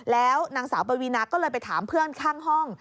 แล้วนางสาวปวีนาก็เลยไปถามเพื่อนข้างห้อง